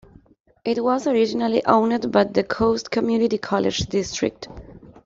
It was originally owned by the Coast Community College District.